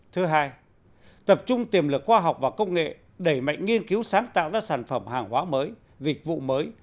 thứ hai tập trung tiềm lực khoa học và công nghệ đẩy mạnh nghiên cứu sáng tạo ra sản phẩm hàng hóa mới dịch vụ mới